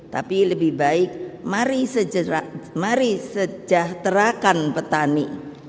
tapi lebih baik mari sejahterakan petani